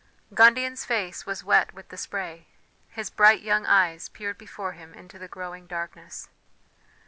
Gundian's face was wet with the spray; his bright young eyes peered before him into the growing darkness.